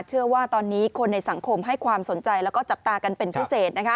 เชื่อว่าตอนนี้คนในสังคมให้ความสนใจแล้วก็จับตากันเป็นพิเศษ